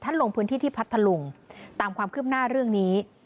ลงพื้นที่ที่พัทธลุงตามความคืบหน้าเรื่องนี้